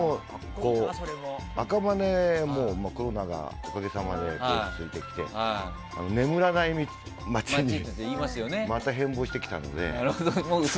赤羽も、コロナがおかげさまで落ち着いてきて眠らない街にまた変貌してきたので。